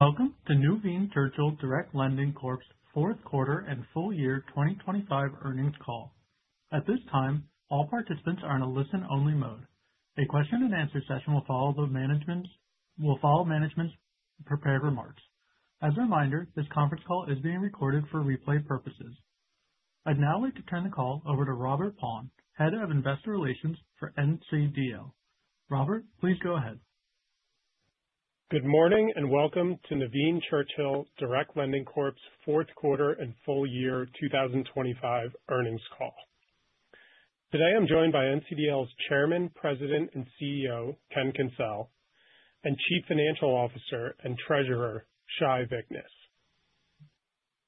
Welcome to Nuveen Churchill Direct Lending Corp.'s fourth quarter and full year 2025 earnings call. At this time, all participants are in a listen only mode. A question and answer session will follow management's prepared remarks. As a reminder, this conference call is being recorded for replay purposes. I'd now like to turn the call over to Robert Paun, Head of Investor Relations for NCDL. Robert, please go ahead. Good morning, and welcome to Nuveen Churchill Direct Lending Corp's fourth quarter and full year 2025 earnings call. Today, I'm joined by NCDL's Chairman, President, and CEO, Ken Kencel, and Chief Financial Officer and Treasurer, Shai Vichness.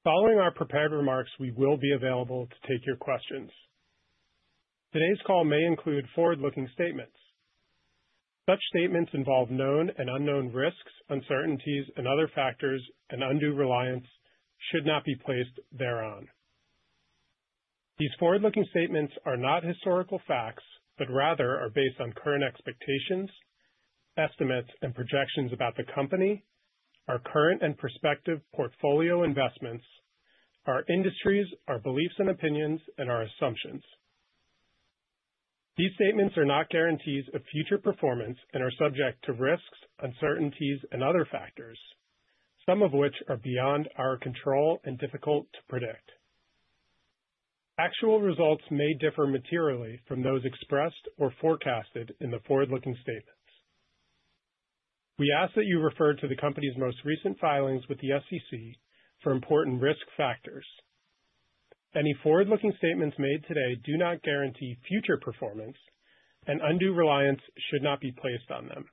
Following our prepared remarks, we will be available to take your questions. Today's call may include forward-looking statements. Such statements involve known and unknown risks, uncertainties, and other factors, and undue reliance should not be placed thereon. These forward-looking statements are not historical facts, but rather are based on current expectations, estimates, and projections about the company, our current and prospective portfolio investments, our industries, our beliefs and opinions, and our assumptions. These statements are not guarantees of future performance and are subject to risks, uncertainties, and other factors, some of which are beyond our control and difficult to predict. Actual results may differ materially from those expressed or forecasted in the forward-looking statements. We ask that you refer to the company's most recent filings with the SEC for important risk factors. Any forward-looking statements made today do not guarantee future performance and undue reliance should not be placed on them.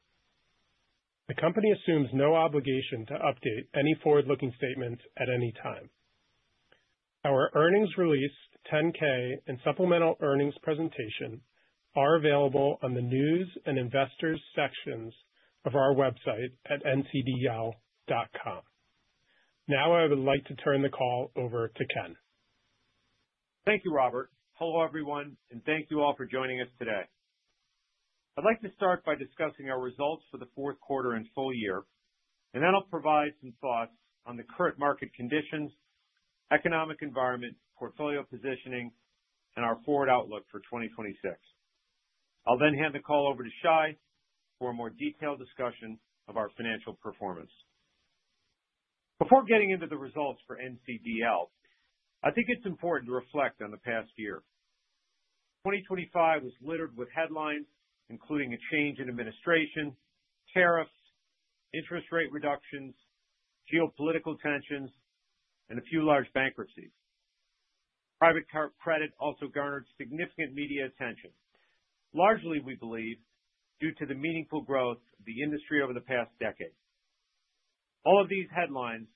The company assumes no obligation to update any forward-looking statements at any time. Our earnings release, 10-K, and supplemental earnings presentation are available on the News and Investors sections of our website at ncdl.com. Now, I would like to turn the call over to Ken. Thank you, Robert. Hello, everyone, and thank you all for joining us today. I'd like to start by discussing our results for the fourth quarter and full year, and then I'll provide some thoughts on the current market conditions, economic environment, portfolio positioning, and our forward outlook for 2026. I'll hand the call over to Shai Vichness for a more detailed discussion of our financial performance. Before getting into the results for NCDL, I think it's important to reflect on the past year. 2025 was littered with headlines, including a change in administration, tariffs, interest rate reductions, geopolitical tensions, and a few large bankruptcies. Private credit also garnered significant media attention, largely, we believe, due to the meaningful growth of the industry over the past decade. All of these headlines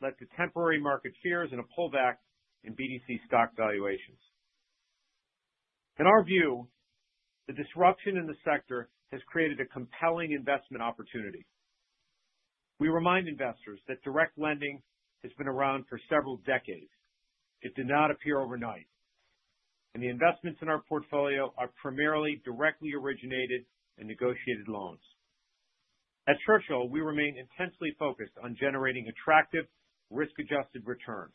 led to temporary market fears and a pullback in BDC stock valuations. In our view, the disruption in the sector has created a compelling investment opportunity. We remind investors that direct lending has been around for several decades. It did not appear overnight. The investments in our portfolio are primarily directly originated in negotiated loans. At Churchill, we remain intensely focused on generating attractive risk-adjusted returns.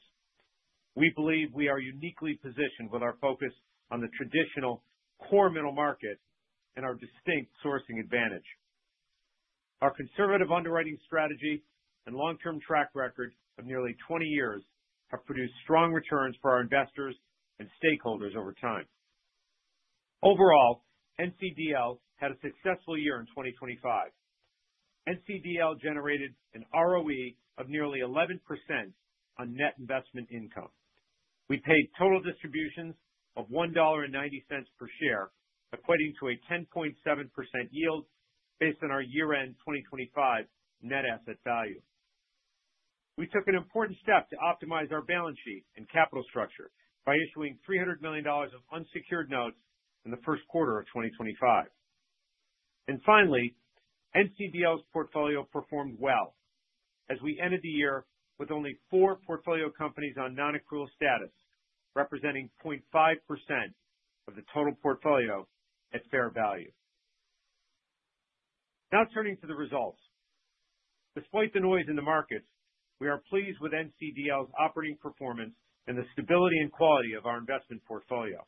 We believe we are uniquely positioned with our focus on the traditional core middle market and our distinct sourcing advantage. Our conservative underwriting strategy and long-term track record of nearly 20 years have produced strong returns for our investors and stakeholders over time. Overall, NCDL had a successful year in 2025. NCDL generated an ROE of nearly 11% on net investment income. We paid total distributions of $1.90 per share, equating to a 10.7% yield based on our year-end 2025 Net Asset Value. We took an important step to optimize our balance sheet and capital structure by issuing $300 million of unsecured notes in the first quarter of 2025. Finally, NCDL's portfolio performed well as we ended the year with only four portfolio companies on non-accrual status, representing 0.5% of the total portfolio at fair value. Now, turning to the results. Despite the noise in the markets, we are pleased with NCDL's operating performance and the stability and quality of our investment portfolio.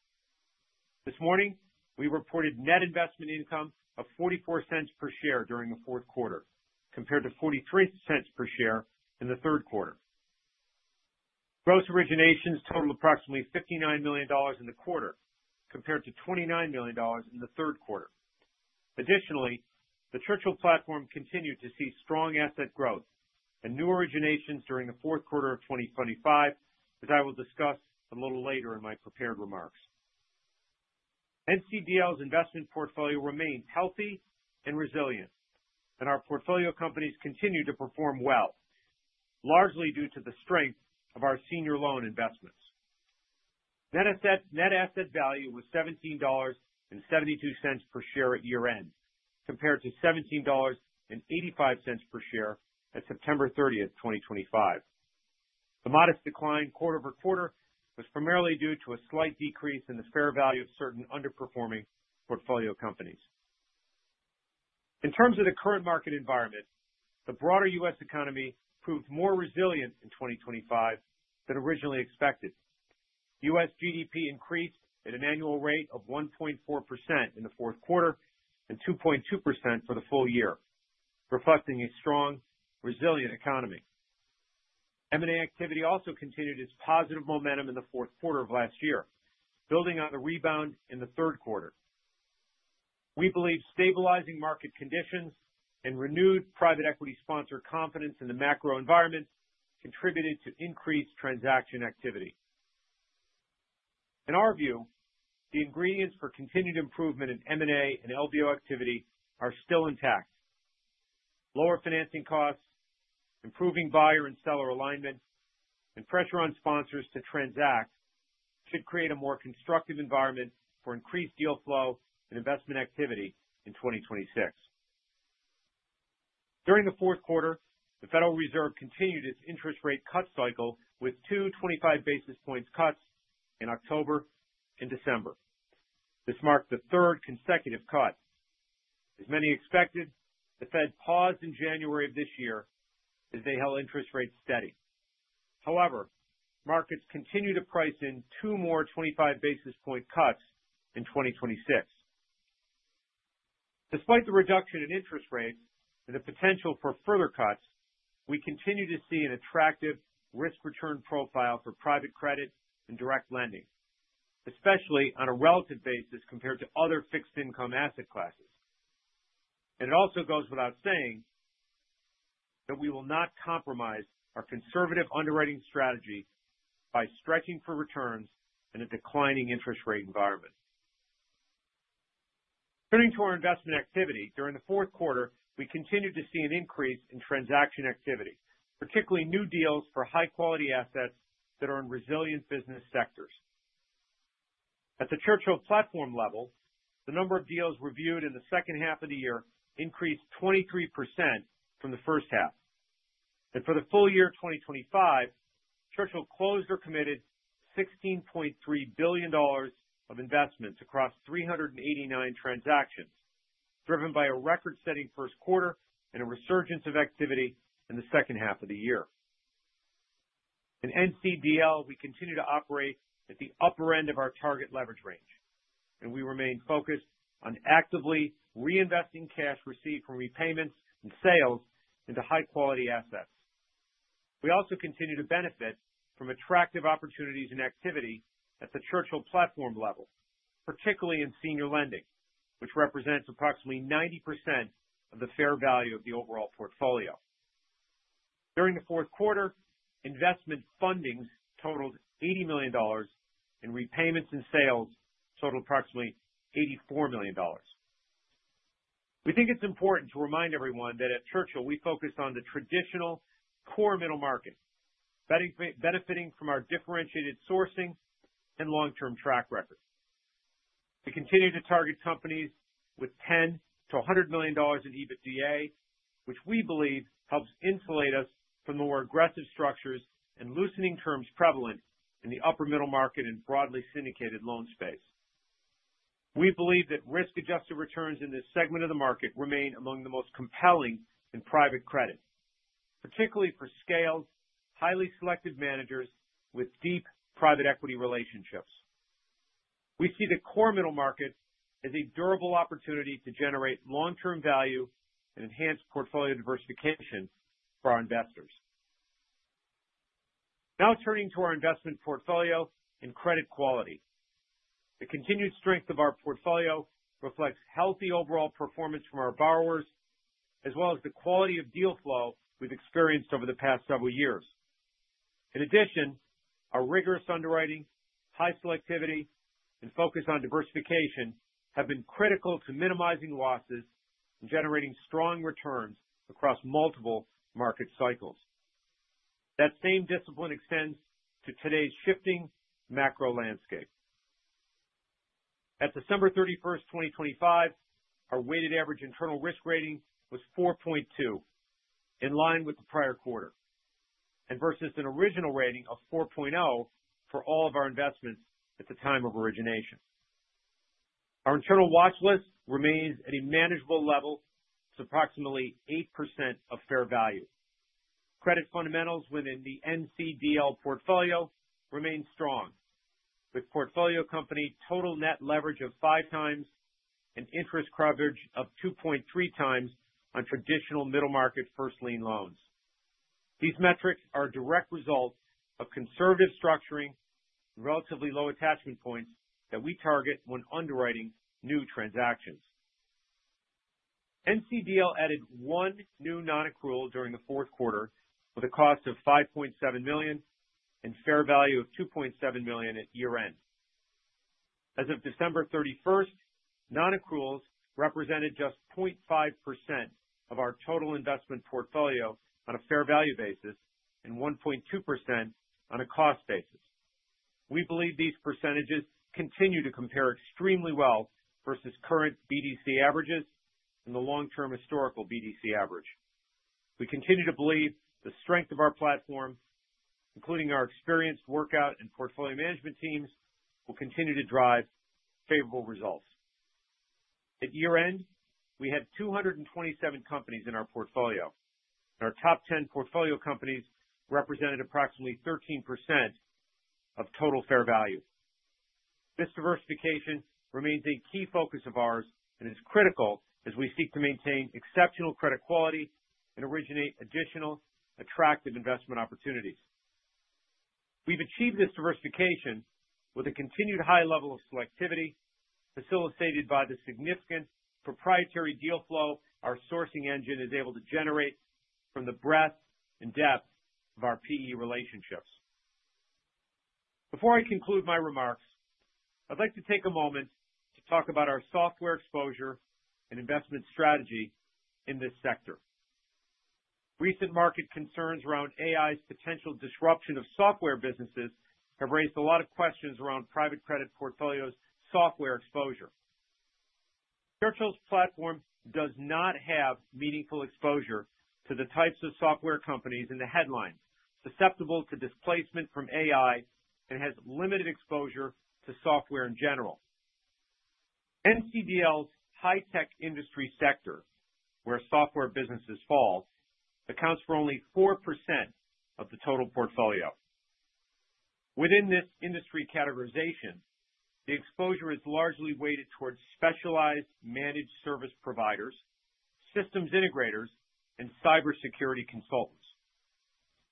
This morning, we reported net investment income of $0.44 per share during the fourth quarter, compared to $0.43 per share in the third quarter. Gross originations totaled approximately $59 million in the quarter, compared to $29 million in the third quarter. Additionally, the Churchill platform continued to see strong asset growth and new originations during the fourth quarter of 2025, as I will discuss a little later in my prepared remarks. NCDL's investment portfolio remained healthy and resilient, and our portfolio companies continued to perform well, largely due to the strength of our senior loan investments. Net asset value was $17.72 per share at year-end, compared to $17.85 per share at September 30th, 2025. The modest decline quarter-over-quarter was primarily due to a slight decrease in the fair value of certain underperforming portfolio companies. In terms of the current market environment, the broader U.S. economy proved more resilient in 2025 than originally expected. U.S. GDP increased at an annual rate of 1.4% in the fourth quarter and 2.2% for the full year, reflecting a strong, resilient economy. M&A activity also continued its positive momentum in the fourth quarter of last year, building on the rebound in the third quarter. We believe stabilizing market conditions and renewed private equity sponsor confidence in the macro environment contributed to increased transaction activity. In our view, the ingredients for continued improvement in M&A and LBO activity are still intact. Lower financing costs, improving buyer and seller alignment, and pressure on sponsors to transact should create a more constructive environment for increased deal flow and investment activity in 2026. During the fourth quarter, the Federal Reserve continued its interest rate cut cycle with two 25 basis points cuts in October and December. This marked the third consecutive cut. As many expected, the Fed paused in January of this year as they held interest rates steady. Markets continue to price in two more 25 basis point cuts in 2026. Despite the reduction in interest rates and the potential for further cuts, we continue to see an attractive risk-return profile for private credit and direct lending, especially on a relative basis compared to other fixed income asset classes. It also goes without saying that we will not compromise our conservative underwriting strategy by stretching for returns in a declining interest rate environment. Turning to our investment activity. During the fourth quarter, we continued to see an increase in transaction activity, particularly new deals for high quality assets that are in resilient business sectors. At the Churchill platform level, the number of deals reviewed in the second half of the year increased 23% from the first half. For the full year of 2025, Churchill closed or committed $16.3 billion of investments across 389 transactions, driven by a record-setting first quarter and a resurgence of activity in the second half of the year. In NCDL, we continue to operate at the upper end of our target leverage range, and we remain focused on actively reinvesting cash received from repayments and sales into high quality assets. We also continue to benefit from attractive opportunities and activity at the Churchill platform level, particularly in senior lending, which represents approximately 90% of the fair value of the overall portfolio. During the fourth quarter, investment fundings totaled $80 million and repayments and sales totaled approximately $84 million. We think it's important to remind everyone that at Churchill we focus on the traditional core middle market, benefiting from our differentiated sourcing and long-term track record. We continue to target companies with $10 million to $100 million in EBITDA, which we believe helps insulate us from the more aggressive structures and loosening terms prevalent in the upper middle market and broadly syndicated loan space. We believe that risk-adjusted returns in this segment of the market remain among the most compelling in private credit, particularly for scaled, highly selected managers with deep private equity relationships. We see the core middle market as a durable opportunity to generate long-term value and enhance portfolio diversification for our investors. Now, turning to our investment portfolio and credit quality. The continued strength of our portfolio reflects healthy overall performance from our borrowers as well as the quality of deal flow we've experienced over the past several years. In addition, our rigorous underwriting, high selectivity, and focus on diversification have been critical to minimizing losses and generating strong returns across multiple market cycles. That same discipline extends to today's shifting macro landscape. At December 31st, 2025, our weighted average internal risk rating was 4.2, in line with the prior quarter. Versus an original rating of 4.0 for all of our investments at the time of origination. Our internal watch list remains at a manageable level to approximately 8% of fair value. Credit fundamentals within the NCDL portfolio remain strong, with portfolio company total net leverage of 5x and interest coverage of 2.3x on traditional middle market first lien loans. These metrics are a direct result of conservative structuring and relatively low attachment points that we target when underwriting new transactions. NCDL added one new non-accrual during the fourth quarter with a cost of $5.7 million and fair value of $2.7 million at year-end. As of December 31st, non-accruals represented just 0.5% of our total investment portfolio on a fair value basis and 1.2% on a cost basis. We believe these percentages continue to compare extremely well versus current BDC averages and the long term historical BDC average. We continue to believe the strength of our platform, including our experienced workout and portfolio management teams, will continue to drive favorable results. At year-end, we had 227 companies in our portfolio, and our top 10 portfolio companies represented approximately 13% of total fair value. This diversification remains a key focus of ours and is critical as we seek to maintain exceptional credit quality and originate additional attractive investment opportunities. We've achieved this diversification with a continued high level of selectivity, facilitated by the significant proprietary deal flow our sourcing engine is able to generate from the breadth and depth of our PE relationships. Before I conclude my remarks, I'd like to take a moment to talk about our software exposure and investment strategy in this sector. Recent market concerns around AI's potential disruption of software businesses have raised a lot of questions around private credit portfolio's software exposure. Churchill's platform does not have meaningful exposure to the types of software companies in the headlines susceptible to displacement from AI and has limited exposure to software in general. NCDL's high tech industry sector, where software businesses fall, accounts for only 4% of the total portfolio. Within this industry categorization, the exposure is largely weighted towards specialized managed service providers, systems integrators, and cybersecurity consultants.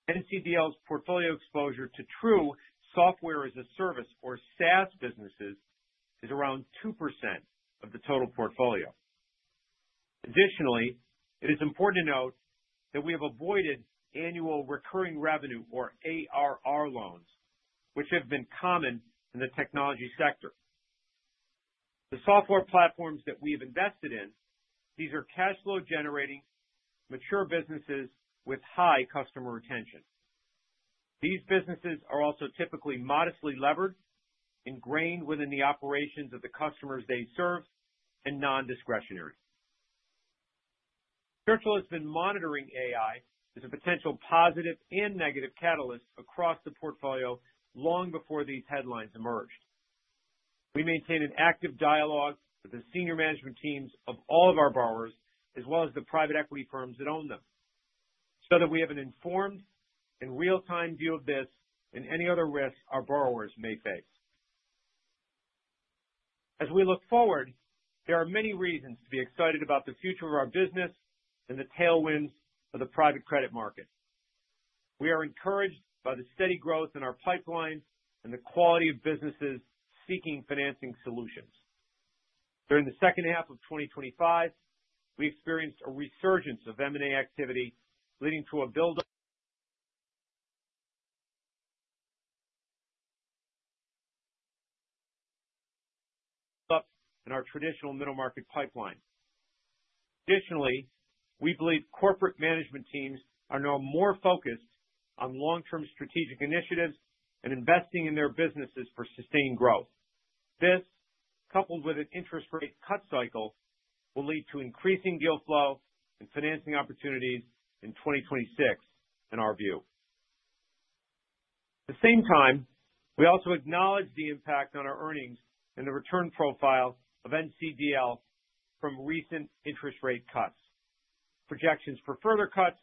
NCDL's portfolio exposure to true software as a service or SaaS businesses is around 2% of the total portfolio. Additionally, it is important to note that we have avoided annual recurring revenue or ARR loans which have been common in the technology sector. The software platforms that we have invested in, these are cash flow generating mature businesses with high customer retention. These businesses are also typically modestly levered, ingrained within the operations of the customers they serve, and non-discretionary. Churchill has been monitoring AI as a potential positive and negative catalyst across the portfolio long before these headlines emerged. We maintain an active dialogue with the senior management teams of all of our borrowers, as well as the private equity firms that own them, so that we have an informed and real-time view of this and any other risks our borrowers may face. As we look forward, there are many reasons to be excited about the future of our business and the tailwinds of the private credit market. We are encouraged by the steady growth in our pipeline and the quality of businesses seeking financing solutions. During the second half of 2025, we experienced a resurgence of M&A activity leading to a buildup in our traditional middle market pipeline. Additionally, we believe corporate management teams are now more focused on long-term strategic initiatives and investing in their businesses for sustained growth. This, coupled with an interest rate cut cycle, will lead to increasing deal flow and financing opportunities in 2026, in our view. At the same time, we also acknowledge the impact on our earnings and the return profile of NCDL from recent interest rate cuts. Projections for further cuts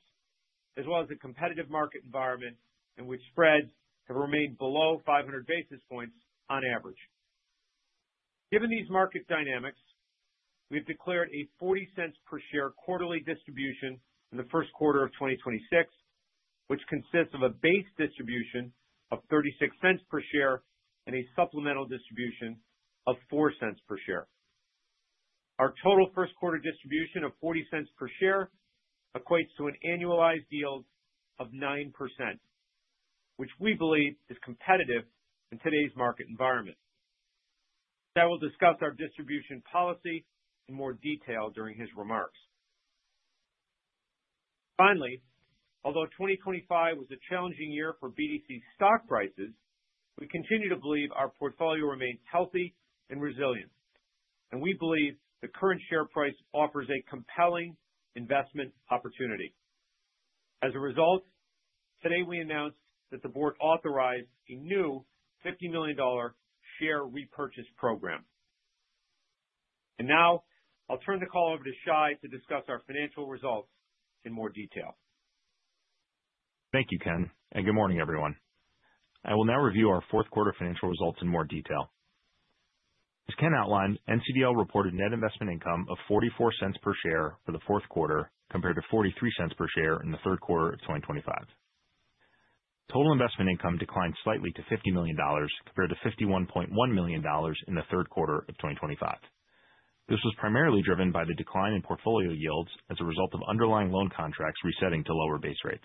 as well as the competitive market environment in which spreads have remained below 500 basis points on average. Given these market dynamics, we've declared a $0.40 per share quarterly distribution in the first quarter of 2026, which consists of a base distribution of $0.36 per share and a supplemental distribution of $0.04 per share. Our total first quarter distribution of $0.40 per share equates to an annualized yield of 9%, which we believe is competitive in today's market environment. Shai will discuss our distribution policy in more detail during his remarks. Finally, although 2025 was a challenging year for BDC stock prices, we continue to believe our portfolio remains healthy and resilient, and we believe the current share price offers a compelling investment opportunity. As a result, today we announced that the board authorized a new $50 million share repurchase program. Now, I'll turn the call over to Shai to discuss our financial results in more detail. Thank you, Ken, and good morning, everyone. I will now review our fourth quarter financial results in more detail. As Ken outlined, NCDL reported net investment income of $0.44 per share for the fourth quarter, compared to $0.43 per share in the third quarter of 2025. Total investment income declined slightly to $50 million compared to $51.1 million in the third quarter of 2025. This was primarily driven by the decline in portfolio yields as a result of underlying loan contracts resetting to lower base rates.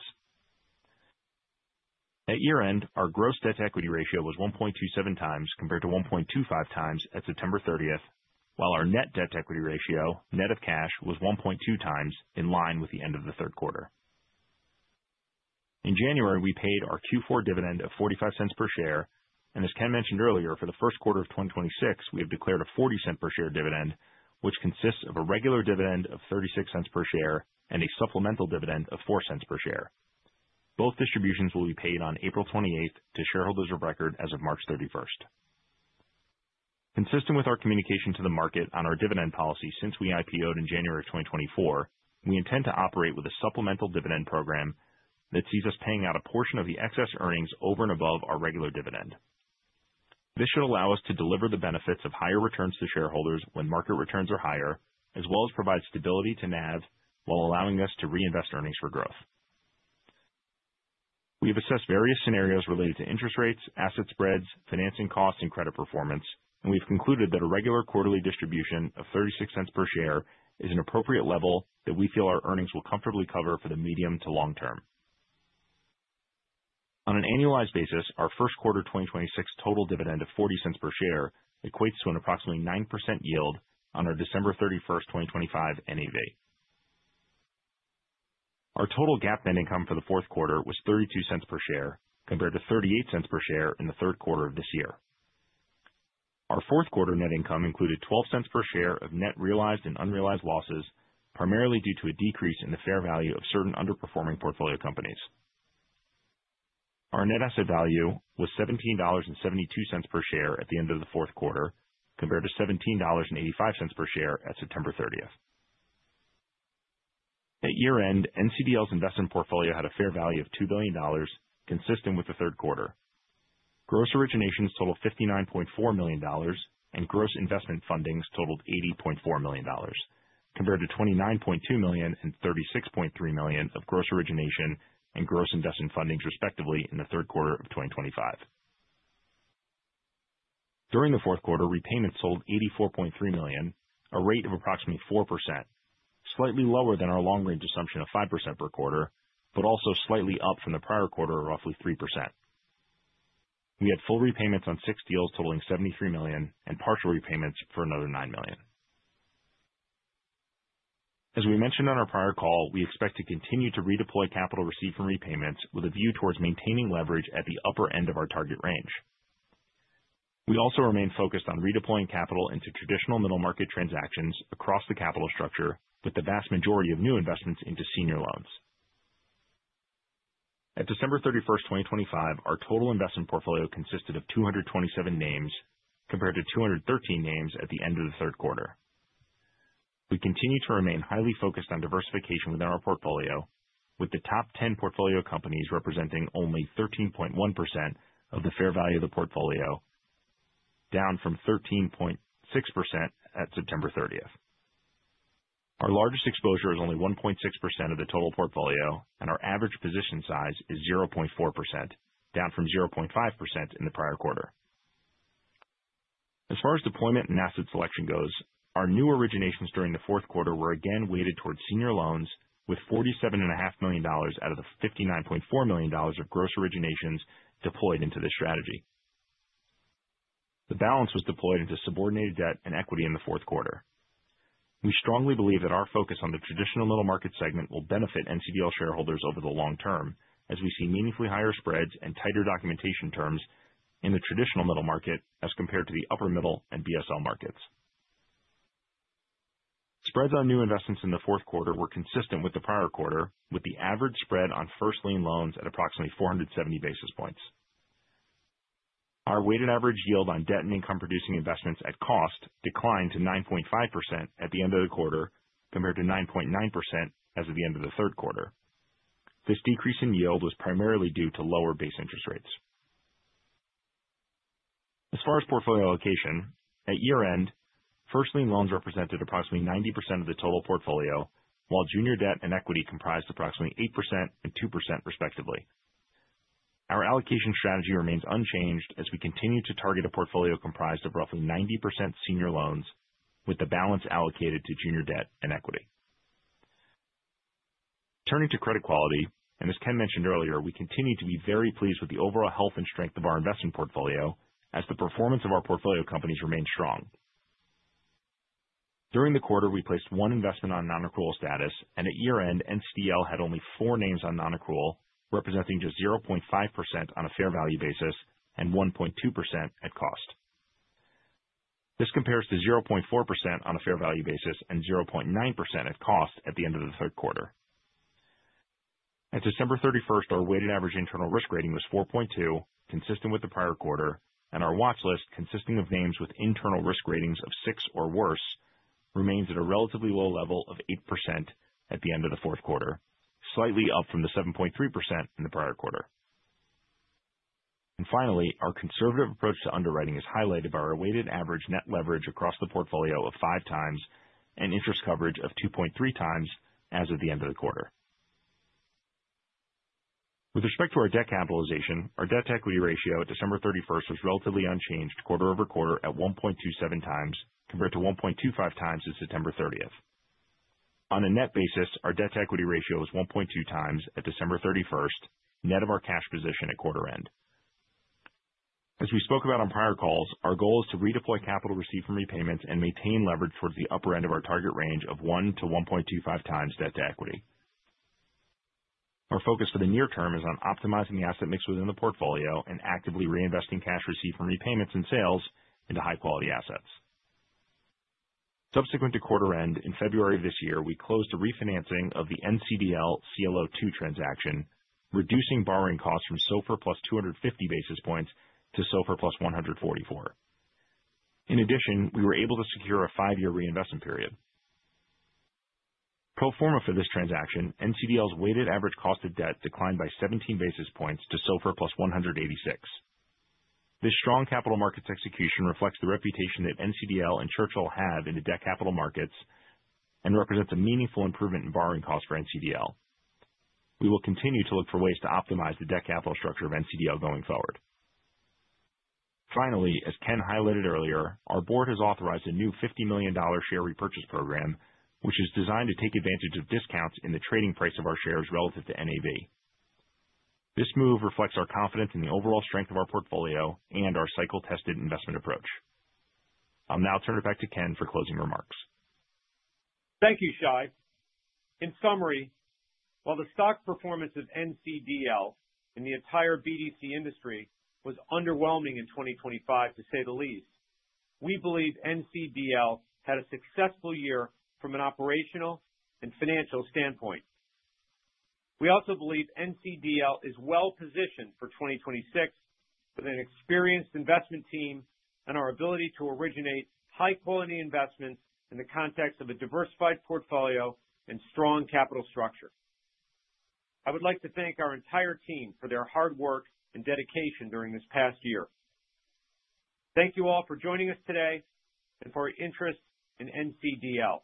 At year-end, our gross debt equity ratio was 1.27x compared to 1.25x at September 30th. While our net debt equity ratio, net of cash, was 1.2x in line with the end of the third quarter. In January, we paid our Q4 dividend of $0.45 per share. As Ken mentioned earlier, for the first quarter of 2026, we have declared a $0.40 per share dividend, which consists of a regular dividend of $0.36 per share and a supplemental dividend of $0.04 per share. Both distributions will be paid on April 28th to shareholders of record as of March 31st. Consistent with our communication to the market on our dividend policy since we IPO'd in January of 2024, we intend to operate with a supplemental dividend program that sees us paying out a portion of the excess earnings over and above our regular dividend. This should allow us to deliver the benefits of higher returns to shareholders when market returns are higher, as well as provide stability to NAV while allowing us to reinvest earnings for growth. We have assessed various scenarios related to interest rates, asset spreads, financing costs, and credit performance, and we've concluded that a regular quarterly distribution of $0.36 per share is an appropriate level that we feel our earnings will comfortably cover for the medium to long term. On an annualized basis, our first quarter 2026 total dividend of $0.40 per share equates to an approximately 9% yield on our December 31st, 2025 NAV. Our total GAAP net income for the fourth quarter was $0.32 per share, compared to $0.38 per share in the third quarter of this year. Our fourth quarter net income included $0.12 per share of net realized and unrealized losses, primarily due to a decrease in the fair value of certain underperforming portfolio companies. Our net asset value was $17.72 per share at the end of the fourth quarter, compared to $17.85 per share at September 30th. At year-end, NCDL's investment portfolio had a fair value of $2 billion, consistent with the third quarter. Gross originations totaled $59.4 million and gross investment fundings totaled $80.4 million, compared to $29.2 million and $36.3 million of gross origination and gross investment fundings, respectively, in the third quarter of 2025. During the fourth quarter, repayments totaled $84.3 million, a rate of approximately 4%, slightly lower than our long-range assumption of 5% per quarter, but also slightly up from the prior quarter of roughly 3%. We had full repayments on six deals totaling $73 million and partial repayments for another $9 million. As we mentioned on our prior call, we expect to continue to redeploy capital received from repayments with a view towards maintaining leverage at the upper end of our target range. We also remain focused on redeploying capital into traditional middle market transactions across the capital structure with the vast majority of new investments into senior loans. At December 31st, 2025, our total investment portfolio consisted of 227 names, compared to 213 names at the end of the third quarter. We continue to remain highly focused on diversification within our portfolio, with the top 10 portfolio companies representing only 13.1% of the fair value of the portfolio, down from 13.6% at September 30th. Our largest exposure is only 1.6% of the total portfolio, and our average position size is 0.4%, down from 0.5% in the prior quarter. As far as deployment and asset selection goes, our new originations during the fourth quarter were again weighted towards senior loans, with $47.5 million out of the $59.4 million of gross originations deployed into this strategy. The balance was deployed into subordinated debt and equity in the fourth quarter. We strongly believe that our focus on the traditional middle market segment will benefit NCDL shareholders over the long term as we see meaningfully higher spreads and tighter documentation terms in the traditional middle market as compared to the upper middle and BSL markets. Spreads on new investments in the fourth quarter were consistent with the prior quarter, with the average spread on first lien loans at approximately 470 basis points. Our weighted average yield on debt and income producing investments at cost declined to 9.5% at the end of the quarter, compared to 9.9% as of the end of the third quarter. This decrease in yield was primarily due to lower base interest rates. As far as portfolio allocation, at year-end, first lien loans represented approximately 90% of the total portfolio, while junior debt and equity comprised approximately 8% and 2% respectively. Our allocation strategy remains unchanged as we continue to target a portfolio comprised of roughly 90% senior loans with the balance allocated to junior debt and equity. Turning to credit quality, and as Ken mentioned earlier, we continue to be very pleased with the overall health and strength of our investment portfolio as the performance of our portfolio companies remains strong. During the quarter, we placed one investment on non-accrual status, and at year-end, NCDL had only four names on non-accrual, representing just 0.5% on a fair value basis and 1.2% at cost. This compares to 0.4% on a fair value basis and 0.9% at cost at the end of the third quarter. At December 31st, our weighted average internal risk rating was 4.2%, consistent with the prior quarter, and our watch list, consisting of names with internal risk ratings of 6% or worse, remains at a relatively low level of 8% at the end of the fourth quarter, slightly up from the 7.3% in the prior quarter. Finally, our conservative approach to underwriting is highlighted by our weighted average net leverage across the portfolio of 5x and interest coverage of 2.3x as of the end of the quarter. With respect to our debt capitalization, our debt-to-equity ratio at December 31st was relatively unchanged quarter-over-quarter at 1.27x, compared to 1.25x as of September 30th. On a net basis, our debt-to-equity ratio was 1.2x at December 31st, net of our cash position at quarter end. As we spoke about on prior calls, our goal is to redeploy capital received from repayments and maintain leverage towards the upper end of our target range of 1-1.25x debt to equity. Our focus for the near term is on optimizing the asset mix within the portfolio and actively reinvesting cash received from repayments and sales into high quality assets. Subsequent to quarter end, in February of this year, we closed a refinancing of the NCDL CLO-II transaction, reducing borrowing costs from SOFR +250 basis points to SOFR +144. In addition, we were able to secure a five-year reinvestment period. Pro forma for this transaction, NCDL's weighted average cost of debt declined by 17 basis points to SOFR +186. This strong capital markets execution reflects the reputation that NCDL and Churchill have in the debt capital markets and represents a meaningful improvement in borrowing costs for NCDL. We will continue to look for ways to optimize the debt capital structure of NCDL going forward. Finally, as Ken highlighted earlier, our board has authorized a new $50 million share repurchase program, which is designed to take advantage of discounts in the trading price of our shares relative to NAV. This move reflects our confidence in the overall strength of our portfolio and our cycle-tested investment approach. I'll now turn it back to Ken for closing remarks. Thank you, Shai. In summary, while the stock performance of NCDL and the entire BDC industry was underwhelming in 2025, to say the least, we believe NCDL had a successful year from an operational and financial standpoint. We also believe NCDL is well positioned for 2026 with an experienced investment team and our ability to originate high quality investments in the context of a diversified portfolio and strong capital structure. I would like to thank our entire team for their hard work and dedication during this past year. Thank you all for joining us today and for your interest in NCDL.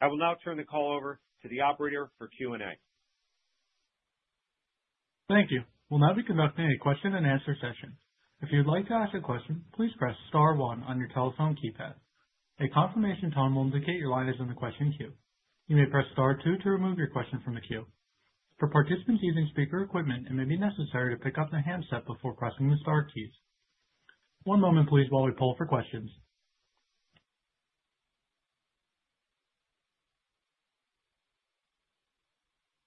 I will now turn the call over to the operator for Q&A. Thank you. We'll now be conducting a question and answer session. If you'd like to ask a question, please press star one on your telephone keypad. A confirmation tone will indicate your line is in the question queue. You may press star two to remove your question from the queue. For participants using speaker equipment, it may be necessary to pick up the handset before pressing the star keys. One moment please while we poll for questions.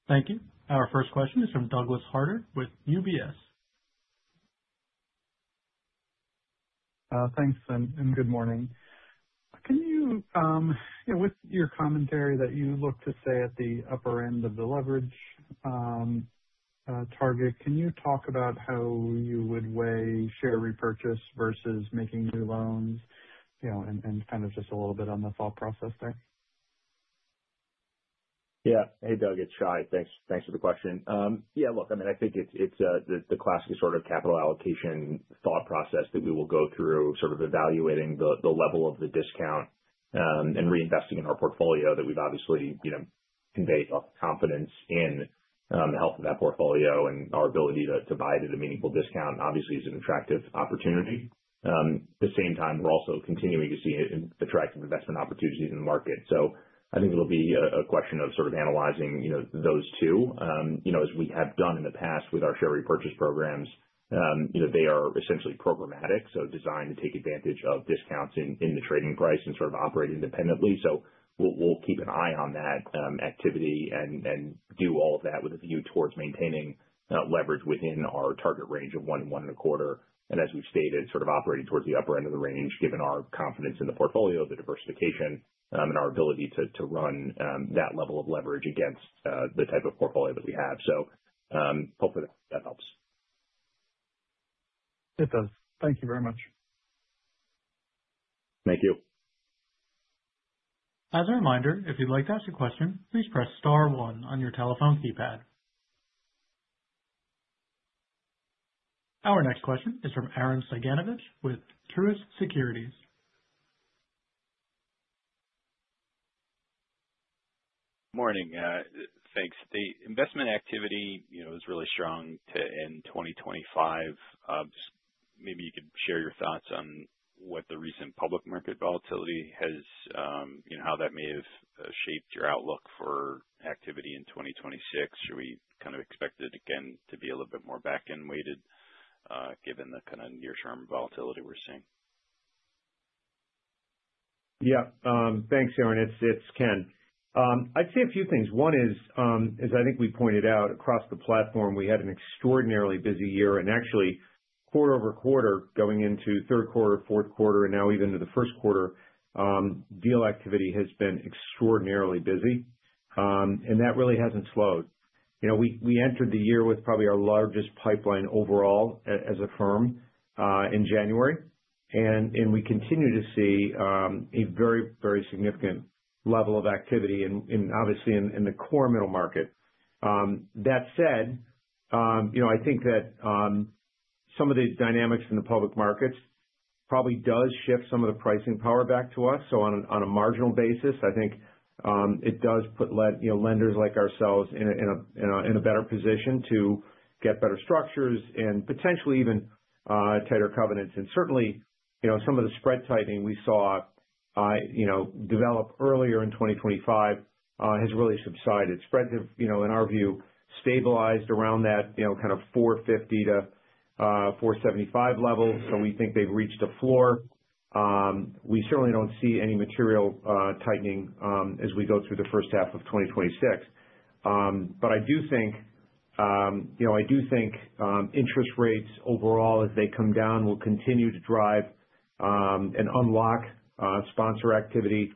Thank you. Our first question is from Douglas Harter with UBS. Thanks and good morning. Can you know, with your commentary that you look to stay at the upper end of the leverage target, can you talk about how you would weigh share repurchase versus making new loans, you know, and kind of just a little bit on the thought process there? Yeah. Hey, Doug, it's Shai. Thanks for the question. Yeah, look, I mean, I think it's the classic sort of capital allocation thought process that we will go through, sort of evaluating the level of the discount, and reinvesting in our portfolio that we've obviously, you know, conveyed a confidence in the health of that portfolio and our ability to buy at a meaningful discount and obviously is an attractive opportunity. At the same time, we're also continuing to see attractive investment opportunities in the market. I think it'll be a question of sort of analyzing, you know, those two. You know, as we have done in the past with our share repurchase programs, you know, they are essentially programmatic, designed to take advantage of discounts in the trading price and sort of operate independently. We'll keep an eye on that activity and do all of that with a view towards maintaining leverage within our target range of 1 and 1/4. As we've stated, sort of operating towards the upper end of the range, given our confidence in the portfolio, the diversification, and our ability to run that level of leverage against the type of portfolio that we have. Hopefully that helps. It does. Thank you very much. Thank you. Our next question is from Arren Cyganovich with Truist Securities. Morning. Thanks. The investment activity, you know, is really strong to end 2025. Just maybe you could share your thoughts on what the recent public market volatility has, you know, how that may have shaped your outlook for activity in 2026. Should we kind of expect it again to be a little bit more back-end weighted, given the kind of near-term volatility we're seeing? Yeah. Thanks, Arren. It's, it's Ken. I'd say a few things. One is, as I think we pointed out across the platform, we had an extraordinarily busy year and actually quarter-over-quarter going into third quarter, fourth quarter, and now even into the first quarter, deal activity has been extraordinarily busy. That really hasn't slowed. You know, we entered the year with probably our largest pipeline overall as a firm, in January. We continue to see, a very, very significant level of activity in obviously in the core middle market. That said, you know, I think that, some of the dynamics in the public markets probably does shift some of the pricing power back to us. On a marginal basis, I think, it does put you know, lenders like ourselves in a better position to get better structures and potentially even tighter covenants. Certainly, you know, some of the spread tightening we saw, you know, developed earlier in 2025 has really subsided. Spreads have, you know, in our view, stabilized around that, you know, kind of 450-475 level. We think they've reached a floor. We certainly don't see any material tightening as we go through the first half of 2026. I do think, you know, I do think interest rates overall, as they come down, will continue to drive and unlock sponsor activity,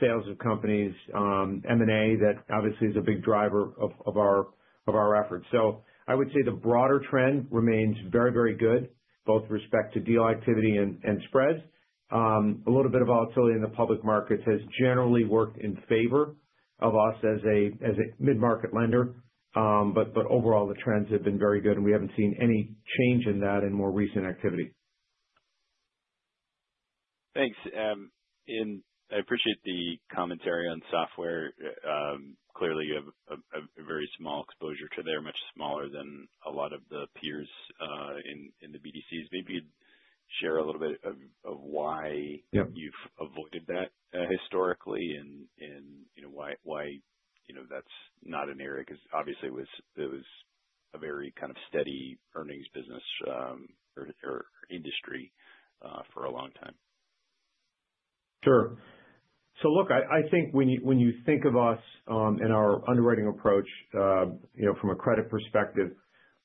sales of companies, M&A. That obviously is a big driver of our efforts. I would say the broader trend remains very good, both with respect to deal activity and spreads. A little bit of volatility in the public markets has generally worked in favor of us as a mid-market lender. Overall, the trends have been very good, and we haven't seen any change in that in more recent activity. Thanks. I appreciate the commentary on software. Clearly you have a very small exposure to there, much smaller than a lot of the peers in the BDCs. Maybe share a little bit of why- Yep. You've avoided that, historically and, you know, why, you know, that's not an area. Because obviously it was a very kind of steady earnings business, or industry, for a long time. Sure. Look, I think when you, when you think of us, in our underwriting approach, you know, from a credit perspective,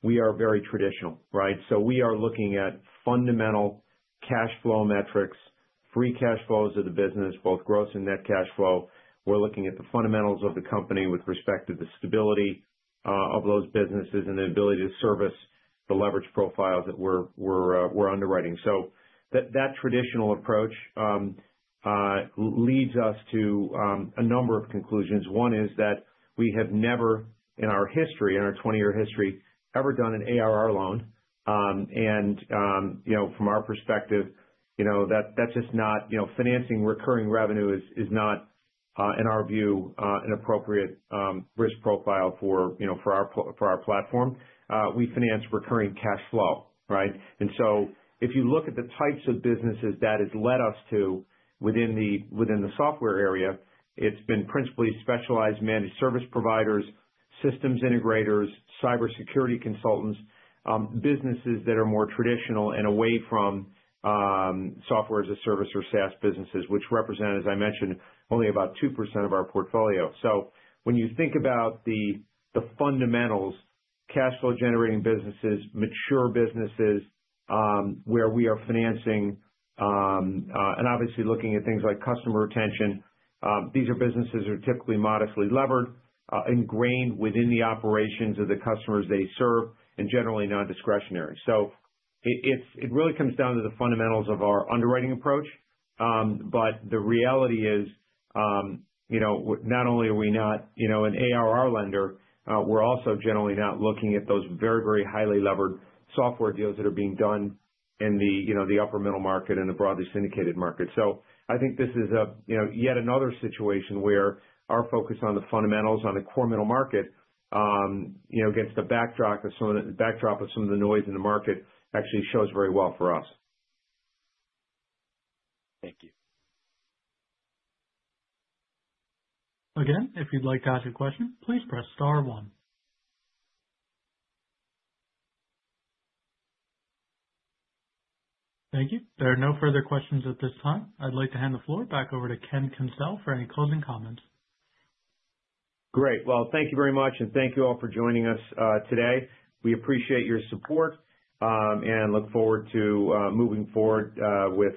we are very traditional, right? We are looking at fundamental cash flow metrics, free cash flows of the business, both gross and net cash flow. We're looking at the fundamentals of the company with respect to the stability of those businesses and the ability to service the leverage profiles that we're underwriting. That traditional approach leads us to a number of conclusions. One is that we have never in our history, in our 20-year history, ever done an ARR loan. You know, from our perspective, you know, financing recurring revenue is not, in our view, an appropriate risk profile for, you know, for our platform. We finance recurring cash flow, right? If you look at the types of businesses that has led us to within the software area, it's been principally specialized managed service providers, systems integrators, cybersecurity consultants, businesses that are more traditional and away from Software as a Service or SaaS businesses, which represent, as I mentioned, only about 2% of our portfolio. When you think about the fundamentals, cash flow generating businesses, mature businesses, where we are financing, and obviously looking at things like customer retention, these are businesses that are typically modestly levered, ingrained within the operations of the customers they serve, and generally non-discretionary. It really comes down to the fundamentals of our underwriting approach. But the reality is, you know, not only are we not, you know, an ARR lender, we're also generally not looking at those very, very highly levered software deals that are being done in the, you know, the upper middle market and the broadly syndicated market. I think this is a, you know, yet another situation where our focus on the fundamentals on the core middle market, you know, against the backdrop of some of the noise in the market actually shows very well for us. Thank you. Again, if you'd like to ask a question, please press star one. Thank you. There are no further questions at this time. I'd like to hand the floor back over to Ken Kencel for any closing comments. Great. Well, thank you very much, and thank you all for joining us today. We appreciate your support, and look forward to moving forward with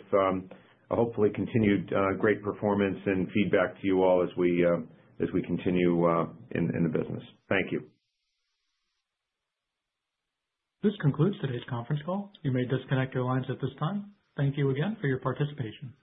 hopefully continued great performance and feedback to you all as we continue in the business. Thank you. This concludes today's conference call. You may disconnect your lines at this time. Thank you again for your participation.